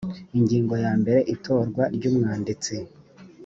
ingingo ya mbere itorwa ry umwanditsi